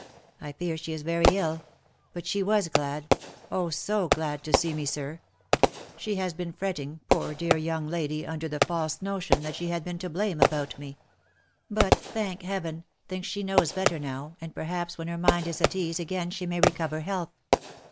" I fear she is very ill ;— but she was glad — oh ! so glad to see me, sir ! She has been fretting, poor dear young lady, under the false notion that she had been to blame about me ; but, thank Heaven ! think she knows better now, and perhaps when her mind is at ease again she may recover health.